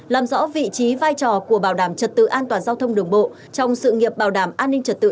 làm rõ vị trí vai trò của bảo đảm trật tự an toàn giao thông đường bộ trong sự nghiệp bảo đảm an ninh trật tự